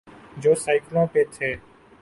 جو سائیکلوں پہ تھے۔